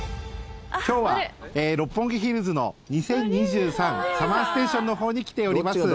今日は六本木ヒルズの２０２３ＳＵＭＭＥＲＳＴＡＴＩＯＮに来ております。